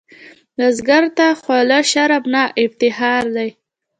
بزګر ته خوله شرم نه، افتخار دی